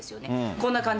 こんな感じ。